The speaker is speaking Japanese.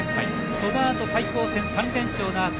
そのあと対抗戦３連勝のあと